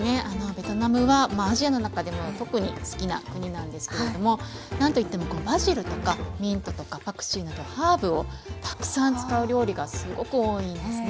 ベトナムはアジアの中でも特に好きな国なんですけれども何といってもバジルとかミントとかパクチーなどハーブをたくさん使う料理がすごく多いんですね。